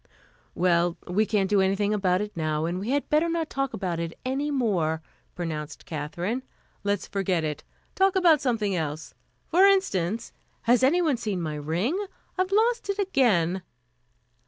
"Well, we can't do anything about it now, and we had better not talk about it any more," pronounced Katherine. "Let's forget it. Talk about something else. For instance has anyone seen my ring? I've lost it again."